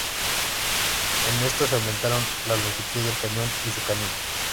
En esta se aumentaron la longitud del cañón y su camisa.